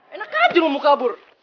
enak aja mau kabur